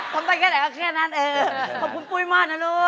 ทำได้แค่ไหนก็แค่นั้นขอบคุณปุ้ยมากนะลูก